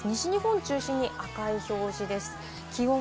西日本を中心に赤い表示です。